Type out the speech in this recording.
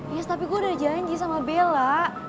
yes tapi gue udah janji sama bella